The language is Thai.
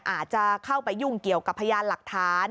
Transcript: อาจจะเข้าไปยุ่งเกี่ยวกับพยานหลักฐาน